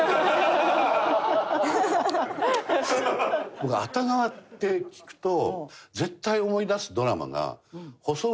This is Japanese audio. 僕熱川って聞くと絶対思い出すドラマが。